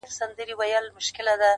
زما په مینه کي دا ټول جهان سوځیږي.!